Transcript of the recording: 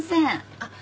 あっ。